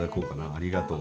ありがとう。